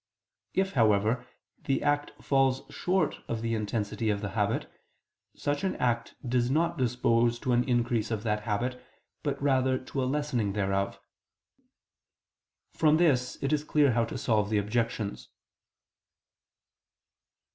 If, however, the act falls short of the intensity of the habit, such an act does not dispose to an increase of that habit, but rather to a lessening thereof. From this it is clear how to solve the objections.